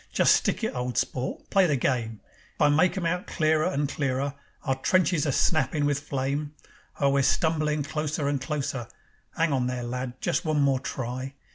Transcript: Just stick it, old sport, play the game. I make 'em out clearer and clearer, Our trenches a snappin' with flame. Oh, we're stumblin' closer and closer. 'Ang on there, lad! Just one more try.